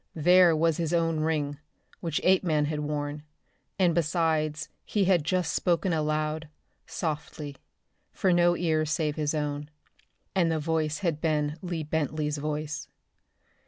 There was his own ring, which Apeman had worn, and besides he had just spoken aloud, softly, for no ears save his own, and the voice had been Lee Bentley's voice.